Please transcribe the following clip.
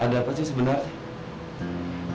ada apa sih sebenarnya